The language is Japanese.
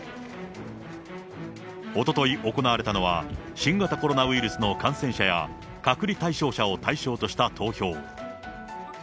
おととい行われたのは、新型コロナウイルスの感染者や、隔離対象者を対象とした投票。